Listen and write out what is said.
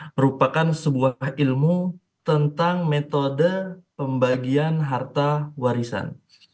merupakan sebuah ilmu tentang metode pembagian harta warisan